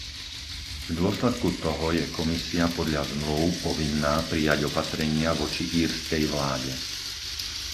V dôsledku toho je Komisia podľa zmlúv povinná prijať opatrenia voči írskej vláde.